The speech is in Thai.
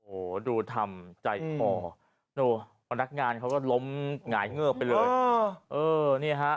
โอ้โหดูทำใจพอดูพนักงานเขาก็ล้มหงายเงิบไปเลยเออนี่ฮะ